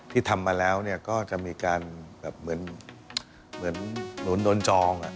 ที่ทำมาแล้วก็จะมีการแบบเหมือนหนุนโดนจอง